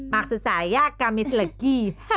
maksud saya kemis lagi